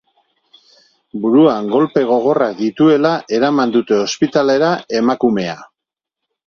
Buruan kolpe gogorrak dituela eraman dute ospitalera emakumea.